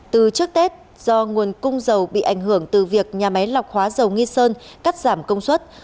từ trước tết do nguồn cung dầu bị ảnh hưởng từ việc nhà máy lọc hóa dầu nghi sơn cắt giảm công suất